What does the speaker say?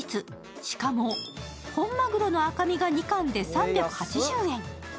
しかも本まぐろの赤身が２貫で３８０円。